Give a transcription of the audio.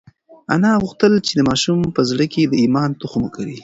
انا غوښتل چې د ماشوم په زړه کې د ایمان تخم وکري.